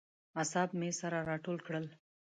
اعصاب مې سره راټول کړل.